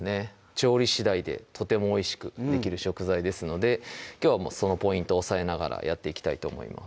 調理次第でとてもおいしくできる食材ですのできょうはそのポイントを押さえながらやっていきたいと思います